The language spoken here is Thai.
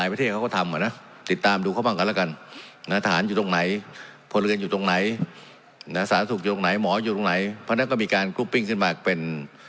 อยู่ตรงไหนเพราะฉะนั้นก็มีการกลุ๊ปปิ้งขึ้นมาเป็น